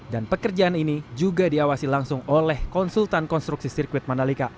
dan pekerjaan ini juga diawasi langsung oleh konsultan konstruksi sirkuit mandalika